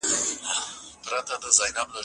زه مخکي درس لوستی و؟